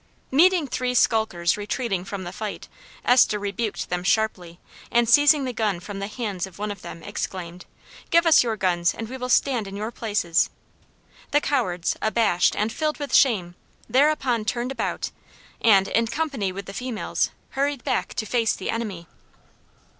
Meeting three skulkers retreating from the fight, Esther rebuked them sharply, and, seizing the gun from the hands of one of them, exclaimed, "Give us your guns, and we will stand in your places!" The cowards, abashed and filled with shame, thereupon turned about, and, in company with the females, hurried back to face the enemy.